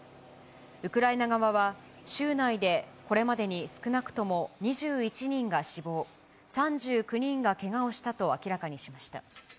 ウクライナ側は、州内でこれまでに少なくとも２１人が死亡、３９人がけがをしたと明らかにしました。